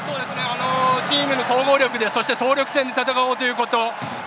チームの総合力でそして総力戦で戦おうということ。